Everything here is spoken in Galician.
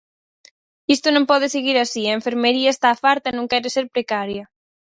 Isto non pode seguir así, a enfermería está farta e non quere ser precaria.